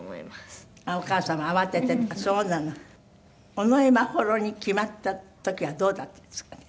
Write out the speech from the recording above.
「尾上眞秀」に決まった時はどうだったんですか？